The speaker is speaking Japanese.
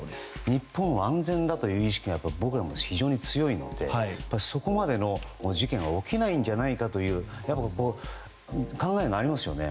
日本は安全だという意識が僕ら非常に強いのでそこまでの事件が起きないんじゃないかという考えになりますよね。